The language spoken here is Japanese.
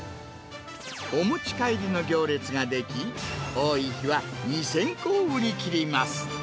お持ち帰りの行列が出来、多い日には２０００個を売り切ります。